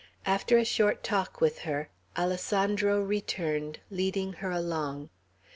After a short talk with her, Alessandro returned, leading her along.